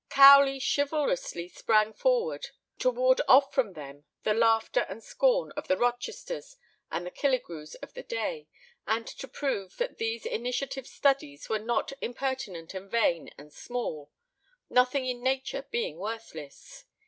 Cowley chivalrously sprang forward to ward off from them the laughter and scorn of the Rochesters and the Killigrews of the day, and to prove that these initiative studies were not "impertinent and vain and small," nothing in nature being worthless.